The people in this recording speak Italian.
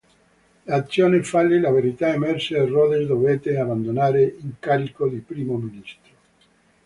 L'azione fallì, la verità emerse e Rhodes dovette abbandonare l'incarico di Primo Ministro.